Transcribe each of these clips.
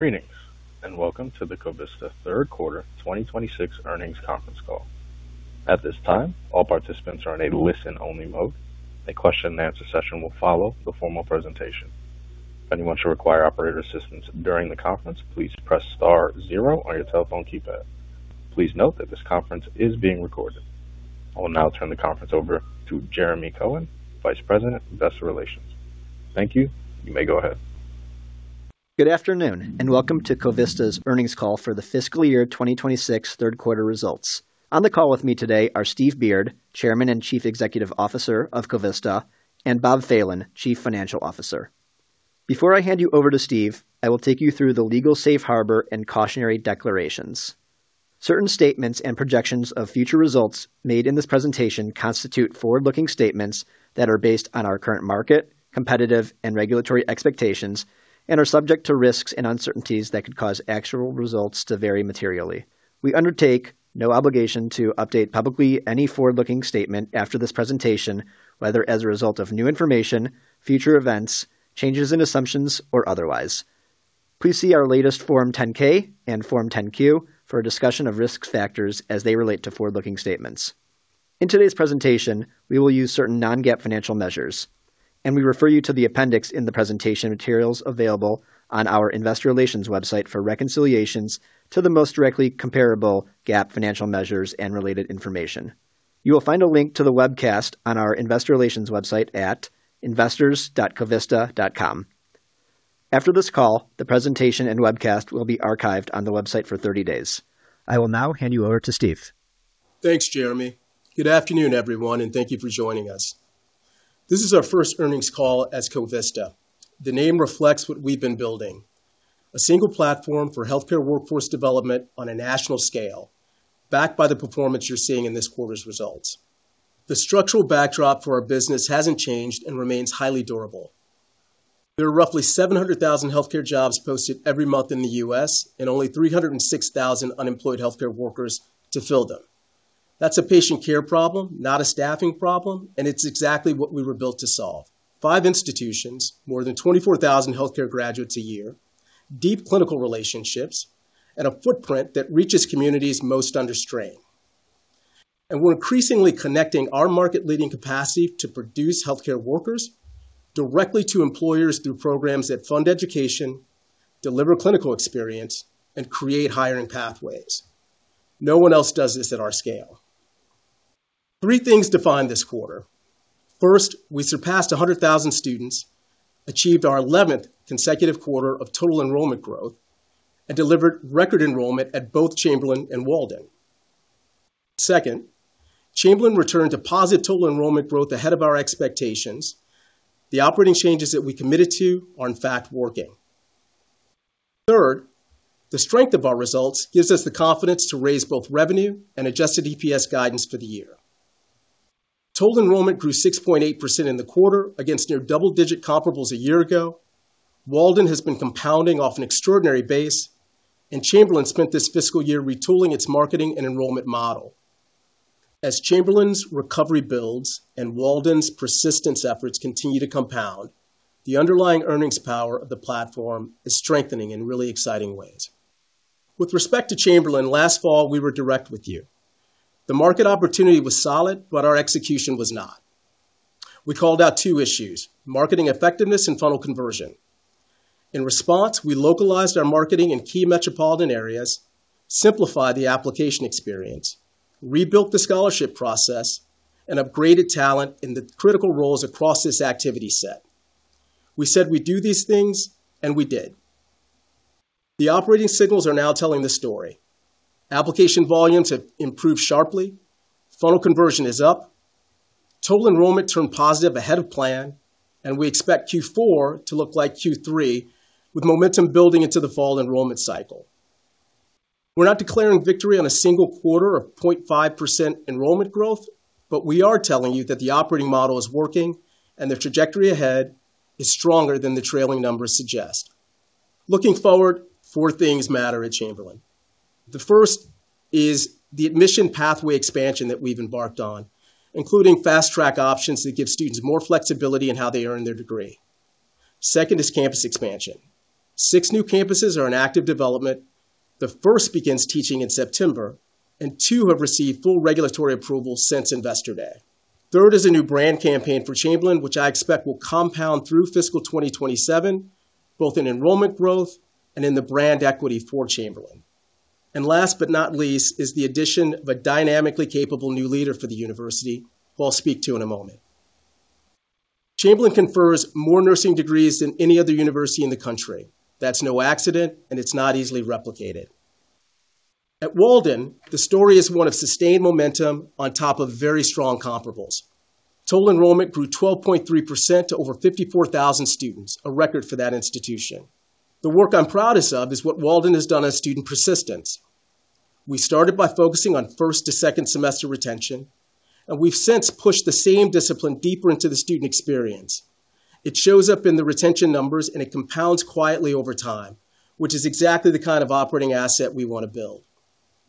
Greetings, welcome to the Covista third quarter 2026 earnings conference call. At this time, all participants are in a listen-only mode. A question and answer session will follow the formal presentation. If anyone should require operator assistance during the conference, please press star zero on your telephone keypad. Please note that this conference is being recorded. I will now turn the conference over to Jeremy Cohen, Vice President of Investor Relations. Thank you. You may go ahead. Good afternoon, welcome to Covista's earnings call for the fiscal year 2026 third quarter results. On the call with me today are Steve Beard, Chairman and Chief Executive Officer of Covista, and Bob Phelan, Chief Financial Officer. Before I hand you over to Steve, I will take you through the legal safe harbor and cautionary declarations. Certain statements and projections of future results made in this presentation constitute forward-looking statements that are based on our current market, competitive, and regulatory expectations and subject to risks and uncertainties that could cause actual results to vary materially. We undertake no obligation to update publicly any forward-looking statement after this presentation, whether as a result of new information, future events, changes in assumptions, or otherwise. Please see our latest Form 10-K and Form 10-Q for a discussion of risk factors as they relate to forward-looking statements. In today's presentation, we will use certain non-GAAP financial measures, and we refer you to the appendix in the presentation materials available on our investor relations website for reconciliations to the most directly comparable GAAP financial measures and related information. You will find a link to the webcast on our investor relations website at investors.covista.com. After this call, the presentation and webcast will be archived on the website for 30 days. I will now hand you over to Steve. Thanks, Jeremy. Good afternoon, everyone, and thank you for joining us. This is our first earnings call as Covista. The name reflects what we've been building, a single platform for healthcare workforce development on a national scale, backed by the performance you're seeing in this quarter's results. The structural backdrop for our business hasn't changed and remains highly durable. There are roughly 700,000 healthcare jobs posted every month in the U.S. and only 306,000 unemployed healthcare workers to fill them. That's a patient care problem, not a staffing problem, and it's exactly what we were built to solve. Five institutions, more than 24,000 healthcare graduates a year, deep clinical relationships, and a footprint that reaches communities most under strain. We're increasingly connecting our market-leading capacity to produce healthcare workers directly to employers through programs that fund education, deliver clinical experience, and create hiring pathways. No one else does this at our scale. Three things defined this quarter. First, we surpassed 100,000 students, achieved our 11th consecutive quarter of total enrollment growth, and delivered record enrollment at both Chamberlain and Walden. Second, Chamberlain returned to positive total enrollment growth ahead of our expectations. The operating changes that we committed to are in fact working. Third, the strength of our results gives us the confidence to raise both revenue and adjusted EPS guidance for the year. Total enrollment grew 6.8% in the quarter against near double-digit comparables a year ago. Walden has been compounding off an extraordinary base, and Chamberlain spent this fiscal year retooling its marketing and enrollment model. As Chamberlain's recovery builds and Walden's persistence efforts continue to compound, the underlying earnings power of the platform is strengthening in really exciting ways. With respect to Chamberlain, last fall, we were direct with you. The market opportunity was solid, but our execution was not. We called out two issues, marketing effectiveness and funnel conversion. In response, we localized our marketing in key metropolitan areas, simplified the application experience, rebuilt the scholarship process, and upgraded talent in the critical roles across this activity set. We said we'd do these things, and we did. The operating signals are now telling the story. Application volumes have improved sharply. Funnel conversion is up. Total enrollment turned positive ahead of plan. We expect Q4 to look like Q3 with momentum building into the fall enrollment cycle. We're not declaring victory on a single quarter of 0.5% enrollment growth, but we are telling you that the operating model is working, and the trajectory ahead is stronger than the trailing numbers suggest. Looking forward, four things matter at Chamberlain. The first is the admission pathway expansion that we've embarked on, including fast-track options that give students more flexibility in how they earn their degree. Second is campus expansion. Six new campuses are in active development. The first begins teaching in September, and two have received full regulatory approval since Investor Day. Third is a new brand campaign for Chamberlain, which I expect will compound through fiscal 2027, both in enrollment growth and in the brand equity for Chamberlain. Last but not least is the addition of a dynamically capable new leader for the university, who I'll speak to in a moment. Chamberlain confers more nursing degrees than any other university in the country. That's no accident, and it's not easily replicated. At Walden, the story is one of sustained momentum on top of very strong comparables. Total enrollment grew 12.3% to over 54,000 students, a record for that institution. The work I'm proudest of is what Walden has done on student persistence. We started by focusing on first to second semester retention, and we've since pushed the same discipline deeper into the student experience. It shows up in the retention numbers, and it compounds quietly over time, which is exactly the kind of operating asset we want to build.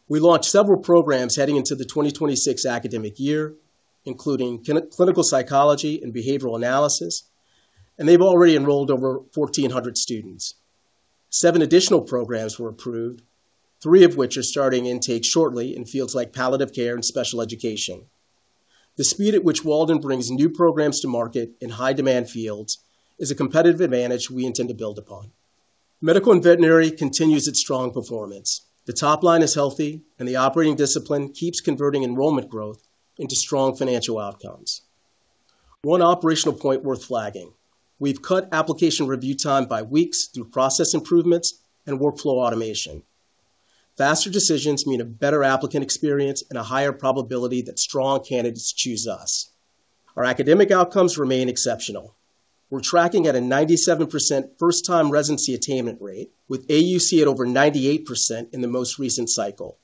We launched several programs heading into the 2026 academic year, including clinical psychology and behavioral analysis, and they've already enrolled over 1,400 students. Seven additional programs were approved, three of which are starting intake shortly in fields like palliative care and special education. The speed at which Walden brings new programs to market in high-demand fields is a competitive advantage we intend to build upon. Medical and veterinary continues its strong performance. The top line is healthy, and the operating discipline keeps converting enrollment growth into strong financial outcomes. One operational point worth flagging: we've cut application review time by weeks through process improvements and workflow automation. Faster decisions mean a better applicant experience and a higher probability that strong candidates choose us. Our academic outcomes remain exceptional. We're tracking at a 97% first-time residency attainment rate, with AUC at over 98% in the most recent cycle.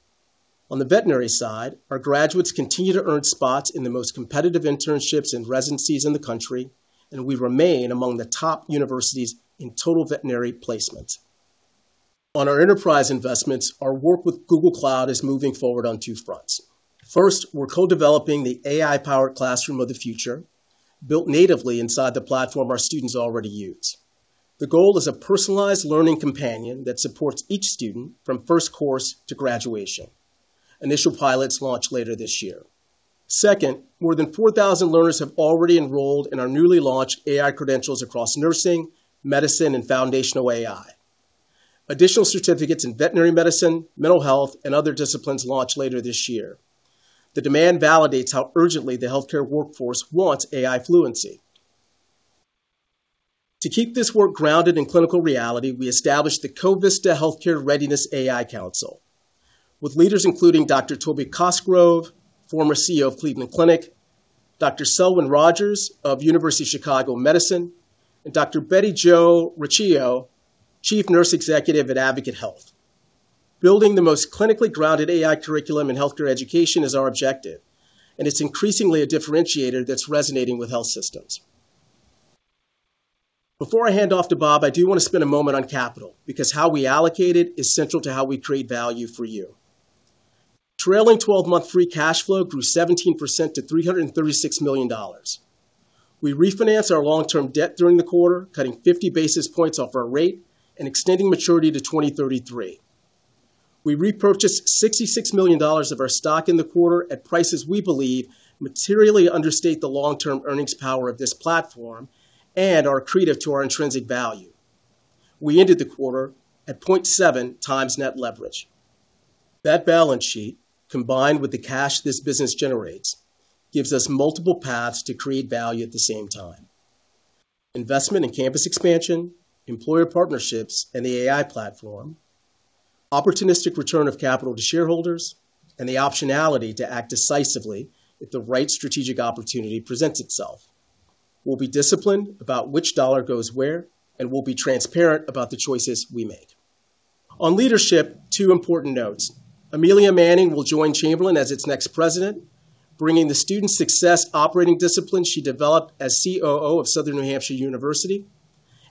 On the veterinary side, our graduates continue to earn spots in the most competitive internships and residencies in the country, and we remain among the top universities in total veterinary placement. On our enterprise investments, our work with Google Cloud is moving forward on two fronts. First, we're co-developing the AI-powered classroom of the future, built natively inside the platform our students already use. The goal is a personalized learning companion that supports each student from first course to graduation. Initial pilots launch later this year. Second, more than 4,000 learners have already enrolled in our newly launched AI credentials across nursing, medicine, and foundational AI. Additional certificates in veterinary medicine, mental health, and other disciplines launch later this year. The demand validates how urgently the healthcare workforce wants AI fluency. To keep this work grounded in clinical reality, we established the Covista Healthcare Readiness AI Council, with leaders including Dr. Toby Cosgrove, former CEO of Cleveland Clinic, Dr. Selwyn Rogers of University of Chicago Medicine, and Dr. Betty Jo Rocchio, Chief Nurse Executive at Advocate Health. Building the most clinically grounded AI curriculum in healthcare education is our objective, and it's increasingly a differentiator that's resonating with health systems. Before I hand off to Bob, I do want to spend a moment on capital because how we allocate it is central to how we create value for you. Trailing 12-month free cash flow grew 17% to $336 million. We refinanced our long-term debt during the quarter, cutting 50 basis points off our rate and extending maturity to 2033. We repurchased $66 million of our stock in the quarter at prices we believe materially understate the long-term earnings power of this platform and are accretive to our intrinsic value. We ended the quarter at 0.7x net leverage. That balance sheet, combined with the cash this business generates, gives us multiple paths to create value at the same time: investment in campus expansion, employer partnerships, and the AI platform, opportunistic return of capital to shareholders, and the optionality to act decisively if the right strategic opportunity presents itself. We'll be disciplined about which dollar goes where, and we'll be transparent about the choices we make. On leadership, two important notes. Amelia Manning will join Chamberlain as its next president, bringing the student success operating discipline she developed as COO of Southern New Hampshire University.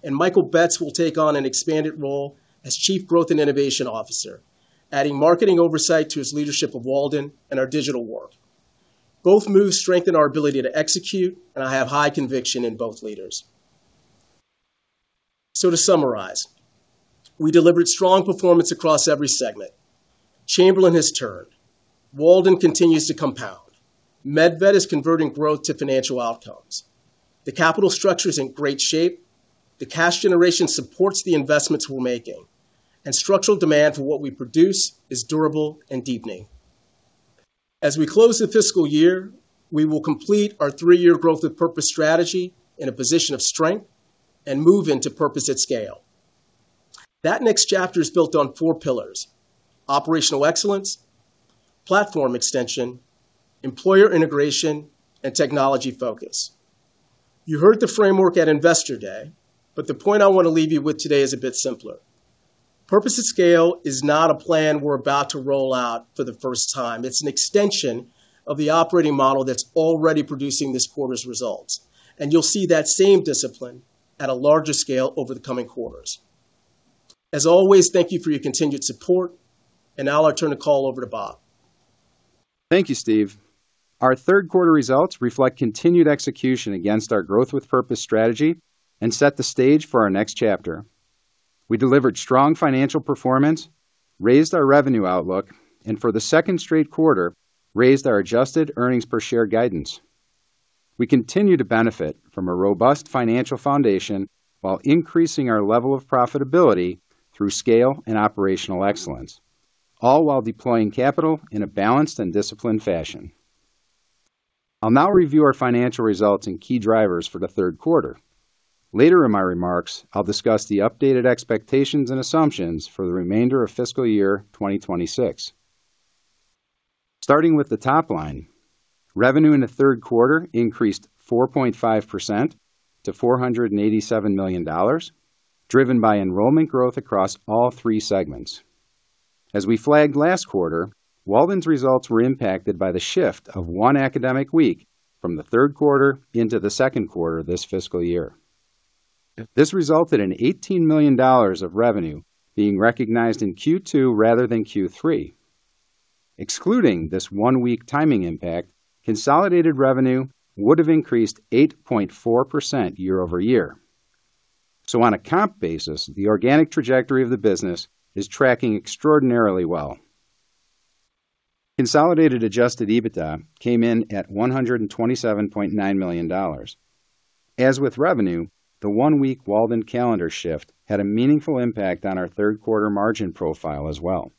Michael Betz will take on an expanded role as Chief Growth and Innovation Officer, adding marketing oversight to his leadership of Walden and our digital work. Both moves strengthen our ability to execute, and I have high conviction in both leaders. To summarize, we delivered strong performance across every segment. Chamberlain has turned. Walden continues to compound. MedVet is converting growth to financial outcomes. The capital structure is in great shape. The cash generation supports the investments we're making, and structural demand for what we produce is durable and deepening. As we close the fiscal year, we will complete our three-year Growth with Purpose strategy in a position of strength and move into Purpose at Scale. That next chapter is built on four pillars: operational excellence, platform extension, employer integration, and technology focus. You heard the framework at Investor Day, the point I want to leave you with today is a bit simpler. Purpose at Scale is not a plan we're about to roll out for the first time. It's an extension of the operating model that's already producing this quarter's results, you'll see that same discipline at a larger scale over the coming quarters. As always, thank you for your continued support, now I'll turn the call over to Bob. Thank you, Steve. Our third quarter results reflect continued execution against our Growth with Purpose strategy and set the stage for our next chapter. We delivered strong financial performance, raised our revenue outlook, for the second straight quarter, raised our adjusted earnings per share guidance. We continue to benefit from a robust financial foundation while increasing our level of profitability through scale and operational excellence, all while deploying capital in a balanced and disciplined fashion. I'll now review our financial results and key drivers for the third quarter. Later in my remarks, I'll discuss the updated expectations and assumptions for the remainder of fiscal year 2026. Starting with the top line, revenue in the third quarter increased 4.5% to $487 million, driven by enrollment growth across all three segments. As we flagged last quarter, Walden's results were impacted by the shift of one academic week from the third quarter into the second quarter this fiscal year. This resulted in $18 million of revenue being recognized in Q2 rather than Q3. Excluding this 1-week timing impact, consolidated revenue would have increased 8.4% year-over-year. On a comp basis, the organic trajectory of the business is tracking extraordinarily well. Consolidated adjusted EBITDA came in at $127.9 million. As with revenue, the one-week Walden calendar shift had a meaningful impact on our third quarter margin profile as well.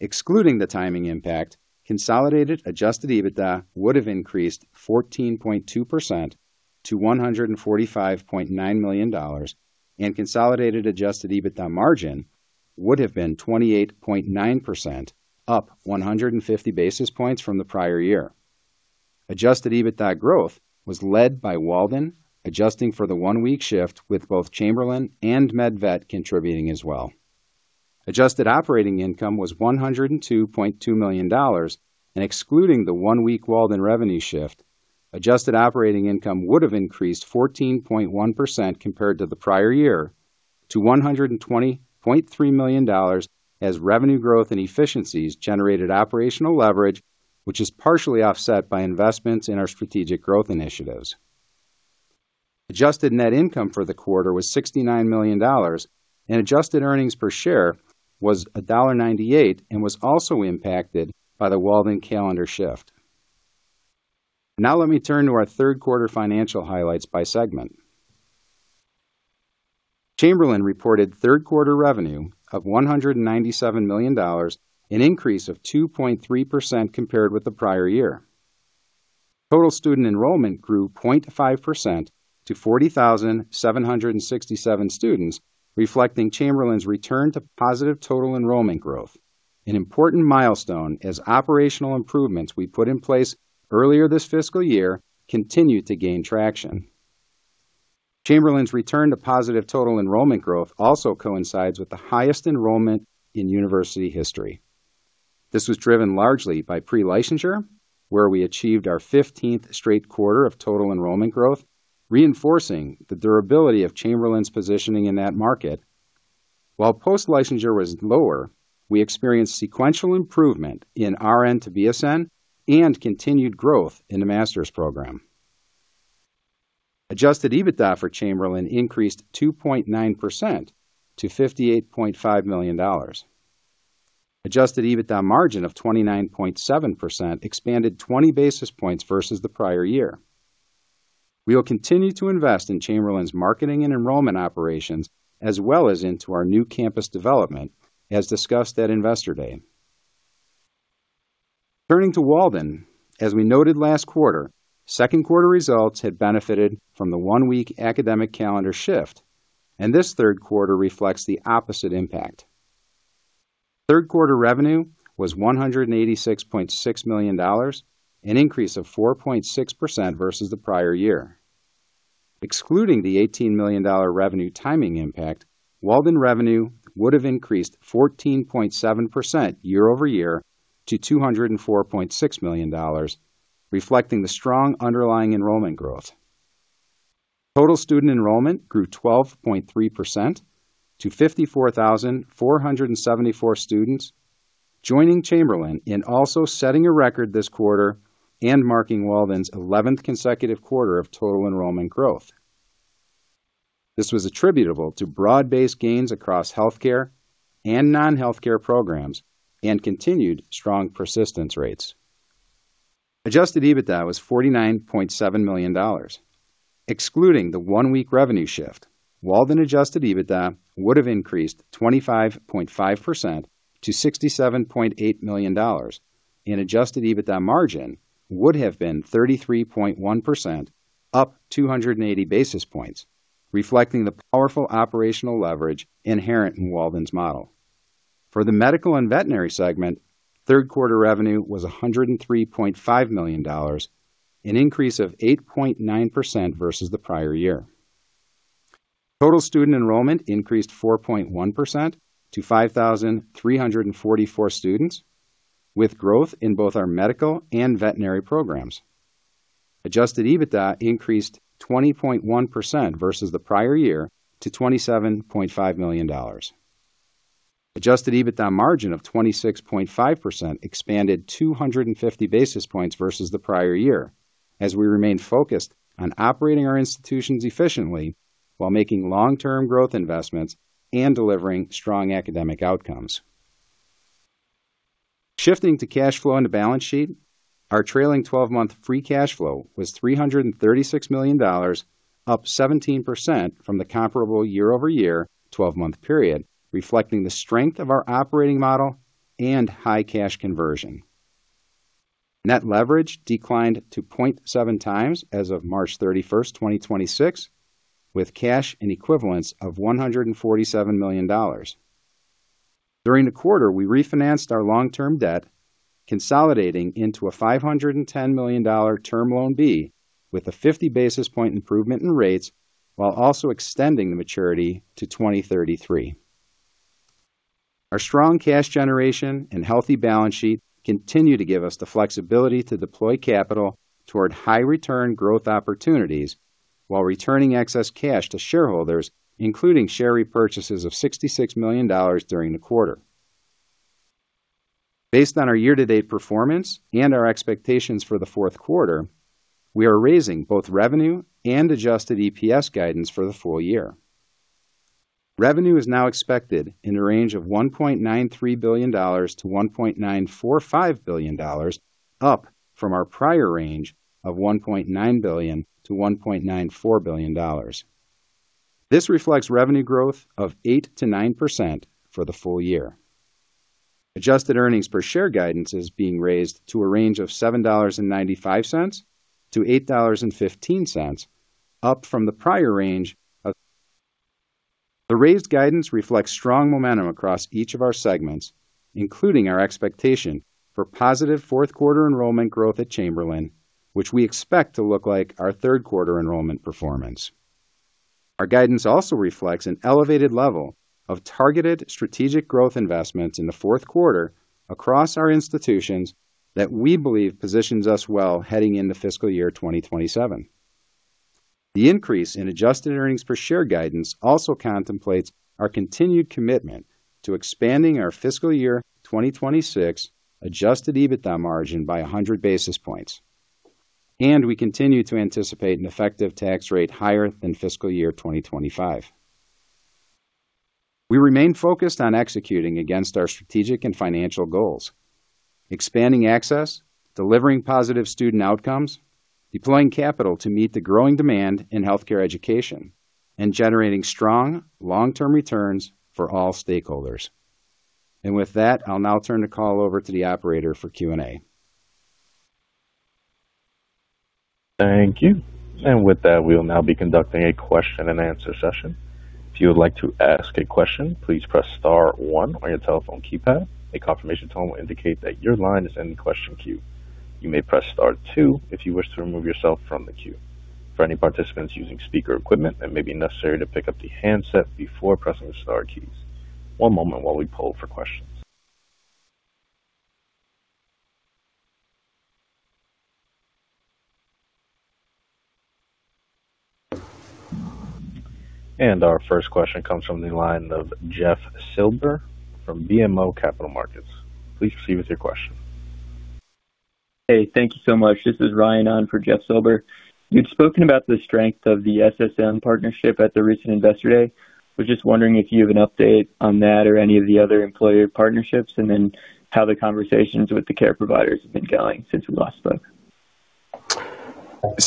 Excluding the timing impact, consolidated adjusted EBITDA would have increased 14.2% to $145.9 million, and consolidated adjusted EBITDA margin would have been 28.9%, up 150 basis points from the prior year. Adjusted EBITDA growth was led by Walden, adjusting for the one-week shift with both Chamberlain and MedVet contributing as well. Adjusted operating income was $102.2 million. Excluding the one-week Walden revenue shift, adjusted operating income would have increased 14.1% compared to the prior year to $120.3 million as revenue growth and efficiencies generated operational leverage, which is partially offset by investments in our strategic growth initiatives. Adjusted net income for the quarter was $69 million. Adjusted earnings per share was $1.98 and was also impacted by the Walden calendar shift. Let me turn to our third quarter financial highlights by segment. Chamberlain reported third quarter revenue of $197 million, an increase of 2.3% compared with the prior year. Total student enrollment grew 0.5% to 40,767 students, reflecting Chamberlain's return to positive total enrollment growth, an important milestone as operational improvements we put in place earlier this fiscal year continue to gain traction. Chamberlain's return to positive total enrollment growth also coincides with the highest enrollment in university history. This was driven largely by pre-licensure, where we achieved our 15th straight quarter of total enrollment growth, reinforcing the durability of Chamberlain's positioning in that market. While post-licensure was lower, we experienced sequential improvement in RN to BSN and continued growth in the master's program. Adjusted EBITDA for Chamberlain increased 2.9% to $58.5 million. Adjusted EBITDA margin of 29.7% expanded 20 basis points versus the prior year. We will continue to invest in Chamberlain's marketing and enrollment operations as well as into our new campus development, as discussed at Investor Day. Turning to Walden, as we noted last quarter, second quarter results had benefited from the one-week academic calendar shift, and this third quarter reflects the opposite impact. Third quarter revenue was $186.6 million, an increase of 4.6% versus the prior year. Excluding the $18 million revenue timing impact, Walden revenue would have increased 14.7% year-over-year to $204.6 million, reflecting the strong underlying enrollment growth. Total student enrollment grew 12.3% to 54,474 students, joining Chamberlain in also setting a record this quarter and marking Walden's 11th consecutive quarter of total enrollment growth. This was attributable to broad-based gains across healthcare and non-healthcare programs and continued strong persistence rates. Adjusted EBITDA was $49.7 million. Excluding the one-week revenue shift, Walden adjusted EBITDA would have increased 25.5% to $67.8 million, and adjusted EBITDA margin would have been 33.1%, up 280 basis points, reflecting the powerful operational leverage inherent in Walden's model. For the medical and veterinary segment, third quarter revenue was $103.5 million, an increase of 8.9% versus the prior year. Total student enrollment increased 4.1% to 5,344 students, with growth in both our medical and veterinary programs. Adjusted EBITDA increased 20.1% versus the prior year to $27.5 million. Adjusted EBITDA margin of 26.5% expanded 250 basis points versus the prior year, as we remain focused on operating our institutions efficiently while making long-term growth investments and delivering strong academic outcomes. Shifting to cash flow and balance sheet, our trailing 12-month free cash flow was $336 million, up 17% from the comparable year-over-year 12-month period, reflecting the strength of our operating model and high cash conversion. net leverage declined to 0.7x as of March 31st, 2026, with cash and equivalents of $147 million. During the quarter, we refinanced our long-term debt, consolidating into a $510 million Term Loan B with a 50 basis point improvement in rates while also extending the maturity to 2033. Our strong cash generation and healthy balance sheet continue to give us the flexibility to deploy capital toward high return growth opportunities while returning excess cash to shareholders, including share repurchases of $66 million during the quarter. Based on our year-to-date performance and our expectations for the fourth quarter, we are raising both revenue and adjusted EPS guidance for the full year. Revenue is now expected in the range of $1.93 billion-$1.945 billion, up from our prior range of $1.9 billion-$1.94 billion. This reflects revenue growth of 8%-9% for the full year. Adjusted earnings per share guidance is being raised to a range of $7.95-$8.15, up from the prior range. The raised guidance reflects strong momentum across each of our segments, including our expectation for positive fourth quarter enrollment growth at Chamberlain, which we expect to look like our third quarter enrollment performance. Our guidance also reflects an elevated level of targeted strategic growth investments in the fourth quarter across our institutions that we believe positions us well heading into fiscal year 2027. The increase in adjusted earnings per share guidance also contemplates our continued commitment to expanding our fiscal year 2026 adjusted EBITDA margin by 100 basis points. We continue to anticipate an effective tax rate higher than fiscal year 2025. We remain focused on executing against our strategic and financial goals, expanding access, delivering positive student outcomes, deploying capital to meet the growing demand in healthcare education, and generating strong long-term returns for all stakeholders. With that, I'll now turn the call over to the operator for Q&A. Thank you. With that, we will now be conducting a question-and-answer session. If you would like to ask a question, please press star one on your telephone keypad. A confirmation tone will indicate that your line is in the question queue. You may press star two if you wish to remove yourself from the queue. For any participants using speaker equipment, it may be necessary to pick up the handset before pressing the star keys. One moment while we poll for questions. Our first question comes from the line of Jeff Silber from BMO Capital Markets. Please proceed with your question. Hey, thank you so much. This is Ryan on for Jeff Silber. You'd spoken about the strength of the SSM partnership at the recent Investor Day. I was just wondering if you have an update on that or any of the other employer partnerships, and then how the conversations with the care providers have been going since we last spoke.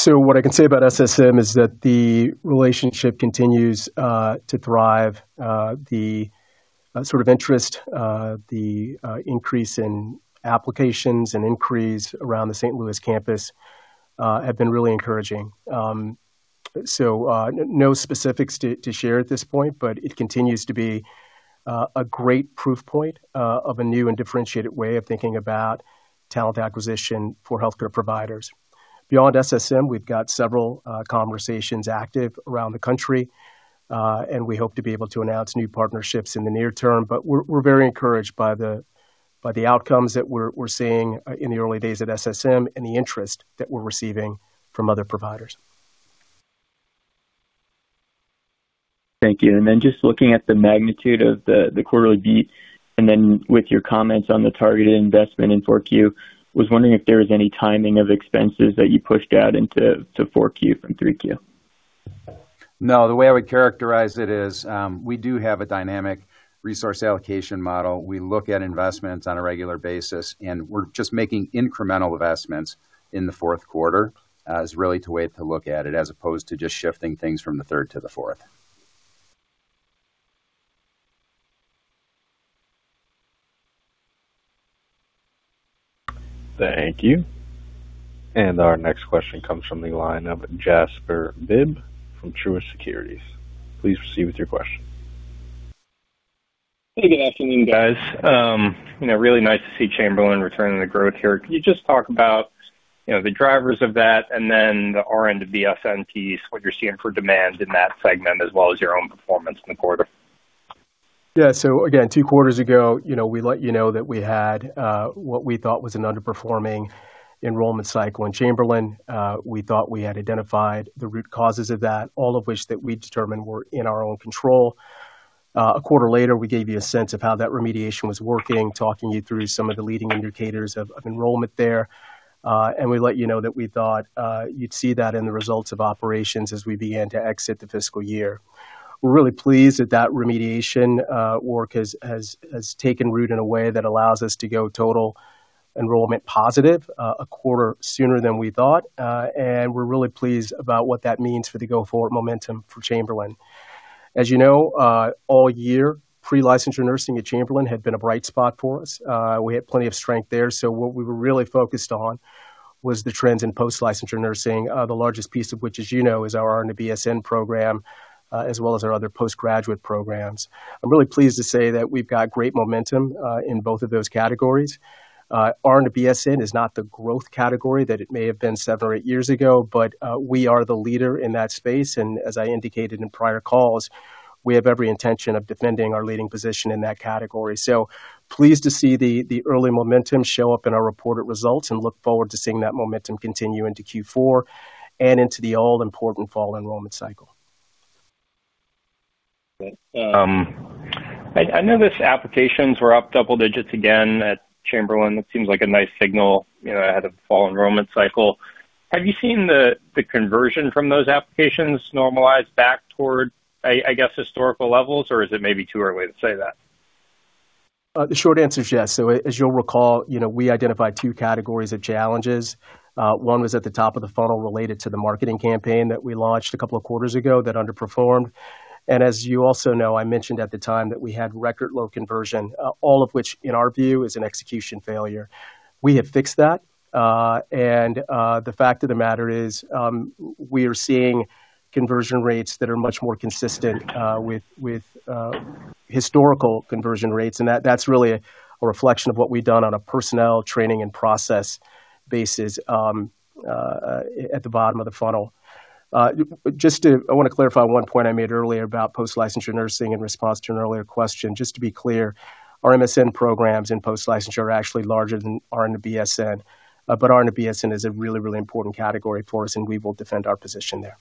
What I can say about SSM is that the relationship continues to thrive. The sort of interest, the increase in applications and inquiries around the St. Louis campus have been really encouraging. No specifics to share at this point, but it continues to be a great proof point of a new and differentiated way of thinking about talent acquisition for healthcare providers. Beyond SSM, we've got several conversations active around the country, and we hope to be able to announce new partnerships in the near term. We're very encouraged by the outcomes that we're seeing in the early days at SSM and the interest that we're receiving from other providers. Thank you. just looking at the magnitude of the quarterly beat, and then with your comments on the targeted investment in 4Q, was wondering if there was any timing of expenses that you pushed out into 4Q from 3Q. No, the way I would characterize it is, we do have a dynamic resource allocation model. We look at investments on a regular basis, and we're just making incremental investments in the fourth quarter, is really the way to look at it, as opposed to just shifting things from the third to the fourth. Thank you. Our next question comes from the line of Jasper Bibb from Truist Securities. Please proceed with your question. Hey, good afternoon, guys. you know, really nice to see Chamberlain returning to growth here. Can you just talk about, you know, the drivers of that and then the RN to BSN piece, what you're seeing for demand in that segment as well as your own performance in the quarter? Again, two quarters ago, you know, we let you know that we had what we thought was an underperforming enrollment cycle in Chamberlain. We thought we had identified the root causes of that, all of which that we determined were in our own control. A quarter later, we gave you a sense of how that remediation was working, talking you through some of the leading indicators of enrollment there. We let you know that we thought you'd see that in the results of operations as we began to exit the fiscal year. We're really pleased that that remediation work has taken root in a way that allows us to go total enrollment positive a quarter sooner than we thought. We're really pleased about what that means for the go-forward momentum for Chamberlain. You know, all year, pre-licensure nursing at Chamberlain University had been a bright spot for us. We had plenty of strength there. What we were really focused on was the trends in post-licensure nursing, the largest piece of which, as you know, is our RN to BSN program, as well as our other postgraduate programs. I'm really pleased to say that we've got great momentum in both of those categories. RN to BSN is not the growth category that it may have been seven or eight years ago, we are the leader in that space. As I indicated in prior calls, we have every intention of defending our leading position in that category. Pleased to see the early momentum show up in our reported results, and look forward to seeing that momentum continue into Q4 and into the all-important fall enrollment cycle. I know those applications were up double digits again at Chamberlain. That seems like a nice signal, you know, ahead of the fall enrollment cycle. Have you seen the conversion from those applications normalize back toward, I guess, historical levels, or is it maybe too early to say that? The short answer is yes. As you'll recall, you know, we identified two categories of challenges. One was at the top of the funnel related to the marketing campaign that we launched a couple of quarters ago that underperformed. As you also know, I mentioned at the time that we had record low conversion, all of which, in our view, is an execution failure. We have fixed that. The fact of the matter is, we are seeing conversion rates that are much more consistent with historical conversion rates. That's really a reflection of what we've done on a personnel training and process basis at the bottom of the funnel. Just to clarify one point I made earlier about post-licensure nursing in response to an earlier question. Just to be clear, our MSN programs in post-licensure are actually larger than RN-BSN, but RN-BSN is a really, really important category for us, and we will defend our position there.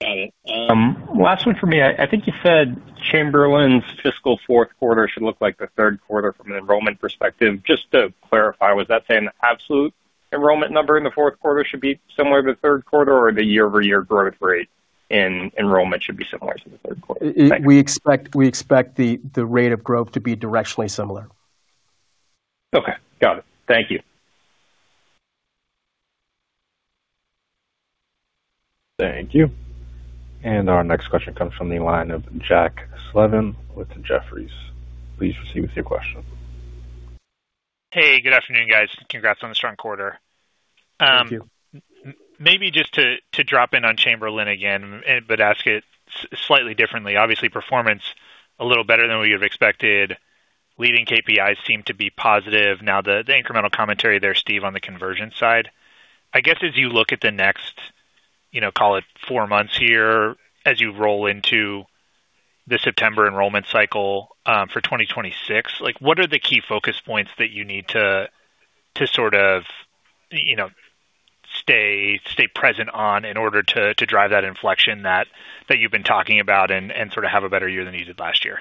Got it. Last one for me. I think you said Chamberlain's fiscal fourth quarter should look like the third quarter from an enrollment perspective. Just to clarify, was that saying the absolute enrollment number in the fourth quarter should be similar to the third quarter or the year-over-year growth rate in enrollment should be similar to the third quarter? Thank you. We expect the rate of growth to be directionally similar. Okay. Got it. Thank you. Thank you. Our next question comes from the line of Jack Slevin with Jefferies. Please proceed with your question. Hey, good afternoon, guys. Congrats on the strong quarter. Thank you. Maybe just to drop in on Chamberlain again, but ask it slightly differently. Obviously, performance a little better than we have expected. Leading KPIs seem to be positive. Now, the incremental commentary there, Steve, on the conversion side. I guess, as you look at the next, you know, call it four months here, as you roll into the September enrollment cycle, for 2026, like, what are the key focus points that you need to sort of, you know, stay present on in order to drive that inflection that you've been talking about and sort of have a better year than you did last year?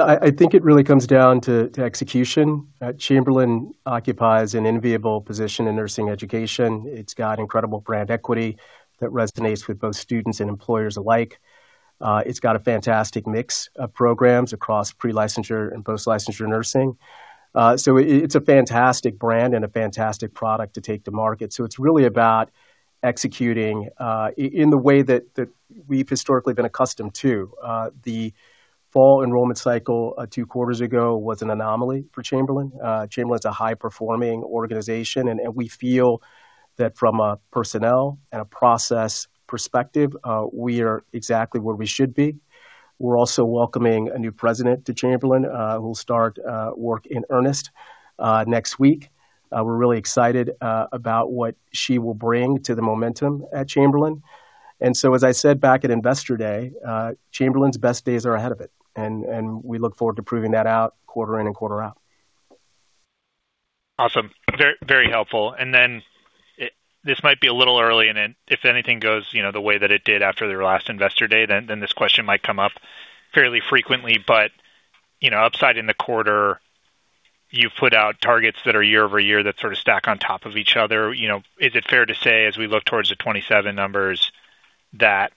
I think it really comes down to execution. Chamberlain occupies an enviable position in nursing education. It's got incredible brand equity that resonates with both students and employers alike. It's got a fantastic mix of programs across pre-licensure and post-licensure nursing. It's a fantastic brand and a fantastic product to take to market. It's really about executing in the way that we've historically been accustomed to. The fall enrollment cycle two quarters ago was an anomaly for Chamberlain. Chamberlain's a high-performing organization, and we feel that from a personnel and a process perspective, we are exactly where we should be. We're also welcoming a new president to Chamberlain, who will start work in earnest next week. We're really excited about what she will bring to the momentum at Chamberlain. As I said back at Investor Day, Chamberlain's best days are ahead of it, and we look forward to proving that out quarter in and quarter out. Awesome. Very, very helpful. Then it-- this might be a little early, then if anything goes, you know, the way that it did after their last Investor Day, then this question might come up fairly frequently. You know, upside in the quarter, you put out targets that are year-over-year that sort of stack on top of each other. You know, is it fair to say, as we look towards the 27 numbers, that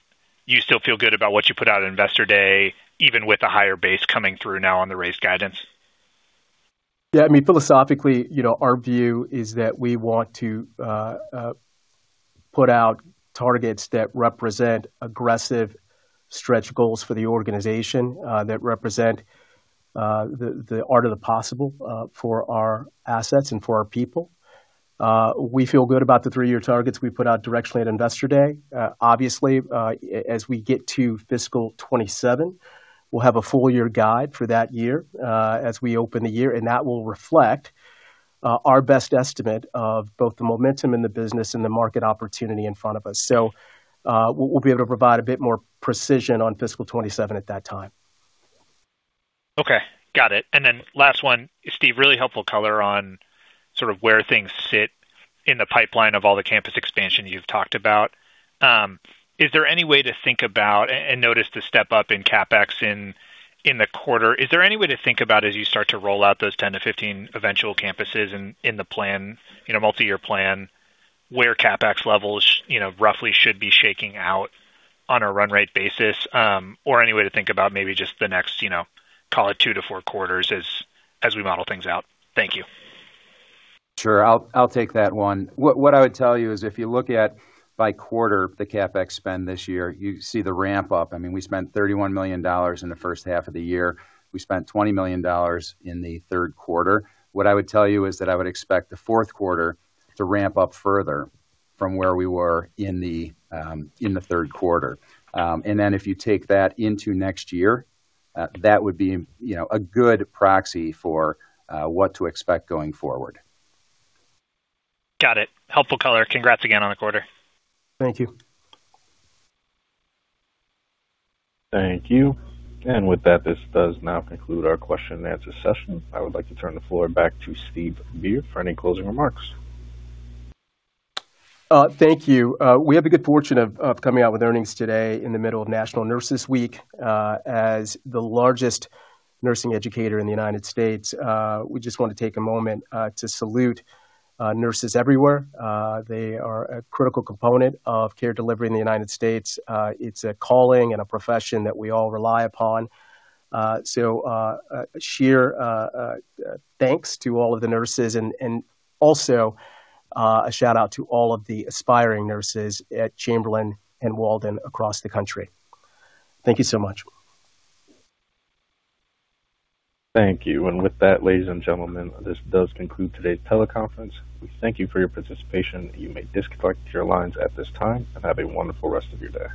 you still feel good about what you put out at Investor Day, even with the higher base coming through now on the raised guidance? Yeah, I mean, philosophically, you know, our view is that we want to put out targets that represent aggressive stretch goals for the organization, that represent the art of the possible for our assets and for our people. We feel good about the three-year targets we put out directionally at Investor Day. Obviously, as we get to fiscal 2027, we'll have a full year guide for that year, as we open the year, and that will reflect our best estimate of both the momentum in the business and the market opportunity in front of us. We'll be able to provide a bit more precision on fiscal 2027 at that time. Okay, got it. Last one. Steve, really helpful color on sort of where things sit in the pipeline of all the campus expansion you've talked about. Is there any way to think about, notice the step-up in CapEx in the quarter. Is there any way to think about, as you start to roll out those 10-15 eventual campuses in the plan, you know, multi-year plan, where CapEx levels, you know, roughly should be shaking out on a run rate basis? Any way to think about maybe just the next, you know, call it two to four quarters as we model things out? Thank you. Sure. I'll take that one. What I would tell you is if you look at by quarter the CapEx spend this year, you see the ramp up. I mean, we spent $31 million in the first half of the year. We spent $20 million in the third quarter. What I would tell you is that I would expect the fourth quarter to ramp up further from where we were in the third quarter. Then if you take that into next year, that would be, you know, a good proxy for what to expect going forward. Got it. Helpful color. Congrats again on the quarter. Thank you. Thank you. With that, this does now conclude our question and answer session. I would like to turn the floor back to Steve Beard for any closing remarks. Thank you. We have the good fortune of coming out with earnings today in the middle of National Nurses Week. As the largest nursing educator in the U.S., we just want to take a moment to salute nurses everywhere. They are a critical component of care delivery in the U.S. It's a calling and a profession that we all rely upon. So, a sheer thanks to all of the nurses and also a shout-out to all of the aspiring nurses at Chamberlain and Walden across the country. Thank you so much. Thank you. With that, ladies and gentlemen, this does conclude today's teleconference. We thank you for your participation. You may disconnect your lines at this time, and have a wonderful rest of your day.